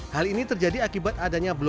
hal ini terjadi akibat adanya blok